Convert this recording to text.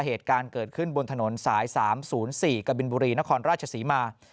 เหตุการณ์เกิดขึ้นบนถนนสาย๓๐๔กบินบุรีนครราชศรีมา